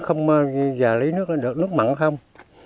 không lấy nước mặn không